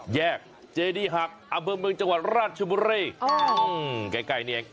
แยกเจดีหักอำเภอเมืองจังหวัดราชบุรี